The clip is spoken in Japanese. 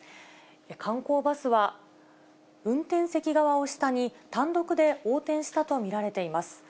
観光バスは、運転席側を下に、単独で横転したと見られています。